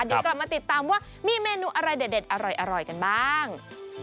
เดี๋ยวกลับมาติดตามว่ามีเมนูอะไรเด็ดอร่อยกันบ้าง